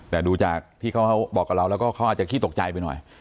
แต่ดูจากที่เขาบอกกับเราแล้วก็เขาอาจจะขี้ตกใจไปหน่อย